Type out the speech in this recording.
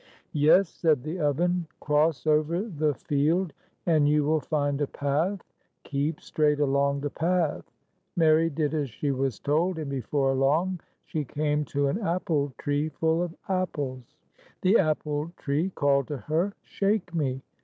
"Yes," said the oven. "Cross over the field 42 and you will find a path. Keep straight along the path." Mary did as she was told, and before long she came to an apple tree full of apples. The apple tree called to her, " Shake me